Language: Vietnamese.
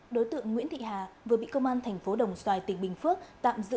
đối tượng nguyễn thị hà vừa bị công an thành phố đồng xoài tỉnh bình phước tạm giữ